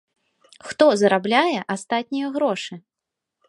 Хто зарабляе астатнія грошы?